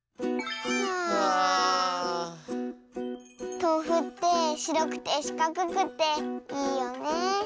とうふってしろくてしかくくていいよねえ。